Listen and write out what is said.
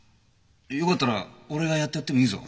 よかったら俺がやってやってもいいぞ。